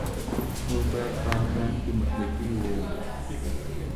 موږ باید په هر کار کې مسلکي واوسو.